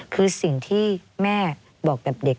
คือสิ่งที่แม่บอกกับเด็ก